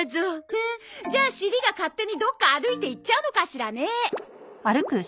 じゃあシリが勝手にどこか歩いて行っちゃうのかしらね。